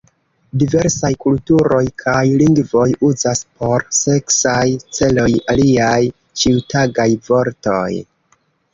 Diversaj kulturoj kaj lingvoj uzas por seksaj celoj aliaj ĉiutagaj vortoj.